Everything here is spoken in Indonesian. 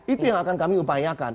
itu yang akan kami upayakan